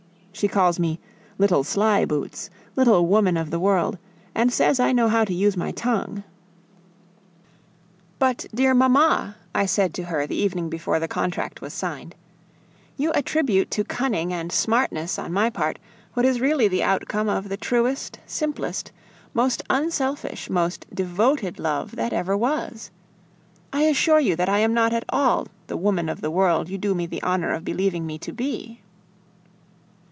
She calls me little sly boots, little woman of the world, and says I know how to use my tongue. "But, dear mamma," I said to her the evening before the contract was signed, "you attribute to cunning and smartness on my part what is really the outcome of the truest, simplest, most unselfish, most devoted love that ever was! I assure you that I am not at all the 'woman of the world' you do me the honor of believing me to be."